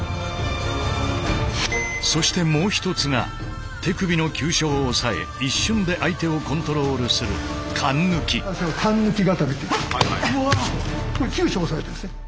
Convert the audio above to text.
そしてもう一つが手首の急所を押さえ一瞬で相手をコントロールする閂固これ急所押さえてるんですね。